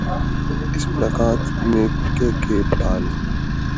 اس ملاقات میں K K پال